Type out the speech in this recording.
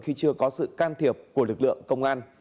khi chưa có sự can thiệp của lực lượng công an